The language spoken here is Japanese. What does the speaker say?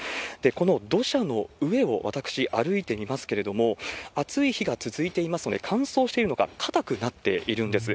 この土砂の上を私、歩いてみますけれども、暑い日が続いていますので、乾燥しているのか、固くなっているんです。